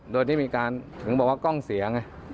โดยที่มีการถึงบอกว่ากล้องเสียไง